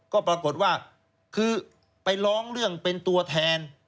ก็ปรากฏว่าคือไปร้องเรื่องเป็นตัวแทน